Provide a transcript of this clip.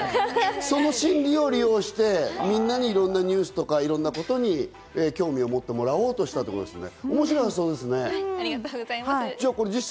その心理を利用して、みんなにいろんなニュースをあるいはいろんなことに興味を持ってもらおうということですね。